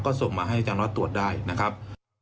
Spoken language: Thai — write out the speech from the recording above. ก็ส่งมาให้อาจารย์วัดตรวจได้นะครับ